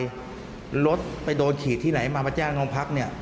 หรือว่ารถไปโดนขี่ที่ไหนมาประแจ่งองพักเนี่ย